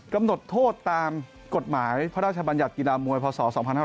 กำหนดโทษตามกฎหมายพระราชบัญญัติกีฬามวยพศ๒๕๕๙